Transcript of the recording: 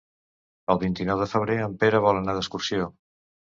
El vint-i-nou de febrer en Pere vol anar d'excursió.